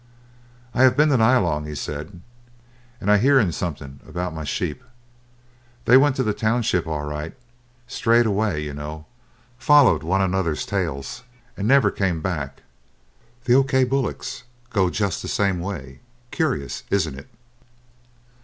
"I have been to Nyalong," he said, "and I heern something about my sheep; they went to the township all right, strayed away, you know, followed one another's tails, and never came back, the O. K. bullocks go just the same way. Curious, isn't it?"